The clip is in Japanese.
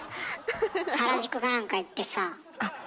原宿かなんか行ってさあ。